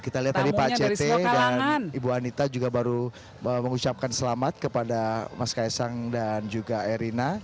kita lihat tadi pak cete dan ibu anita juga baru mengucapkan selamat kepada mas kaisang dan juga erina